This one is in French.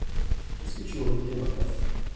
Qu’est-ce que tu aurais dit à ma place ?